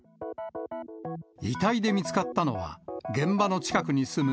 遺体で見つかったのは、現場の近くに住む